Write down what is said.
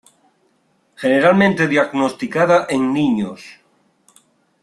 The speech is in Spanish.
Generalmente diagnosticada en niños.